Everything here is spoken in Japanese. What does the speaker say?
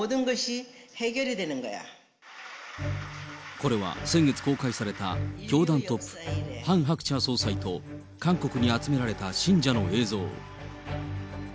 これは先月公開された教団トップ、ハン・ハクチャ総裁と韓国に集められた信者の映像。